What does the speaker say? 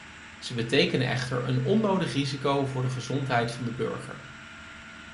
Ze betekenen echter een onnodig risico voor de gezondheid van de burger.